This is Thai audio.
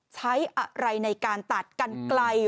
ใช้อะไรในการตัดกันไกล